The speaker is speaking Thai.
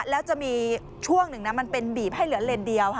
แล้วจะมีช่วงหนึ่งนะมันเป็นบีบให้เหลือเลนเดียว